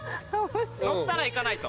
乗ったら行かないと。